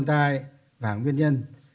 nguồn tài và nguyên nhân